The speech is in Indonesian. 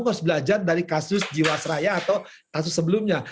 harus belajar dari kasus jiwasraya atau kasus sebelumnya